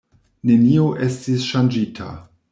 Nenio estis ŝanĝita.